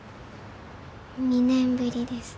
２年ぶりです。